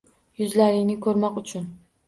Yuzlaringni ko‘rmoq uchun